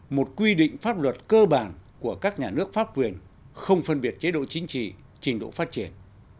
một quy định pháp luật cơ bản của các nhà nước pháp quyền không phân biệt chế độ chính trị trình độ phát triển